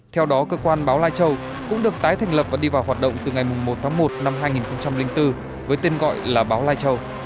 theo đó cơ quan báo lai châu cũng được tái thành lập và đi vào hoạt động từ ngày một tháng một năm hai nghìn bốn với tên gọi là báo lai châu